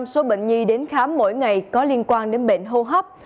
năm mươi số bệnh nhi đến khám mỗi ngày có liên quan đến bệnh hô hấp